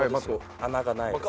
穴がないです。